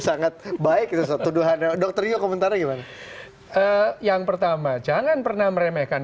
sangat baik itu satu doa dokter yuk komentarnya gimana yang pertama jangan pernah meremehkan